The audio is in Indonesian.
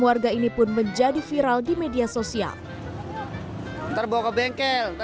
warga ini pun menjadi viral di media sosial